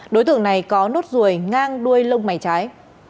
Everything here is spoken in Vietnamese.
đối tượng này có nốt ruồi ngang đuôi lông mày trái